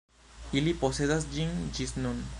Ili posedas ĝin ĝis nun.